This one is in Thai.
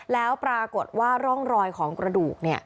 แล้วปรากฏว่าร่องรอยของกระดูก